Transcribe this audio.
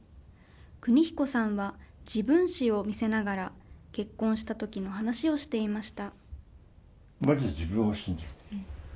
邦彦さんは自分史を見せながら、結婚したときの話をしていました。